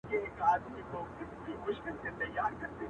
دا د وطــــن د غـــریبــۍ نخښې دي